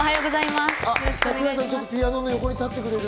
桜井さん、ピアノの横に立ってくれる？